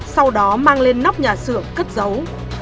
sau đó mang lên nóc nhà xưởng cất giấu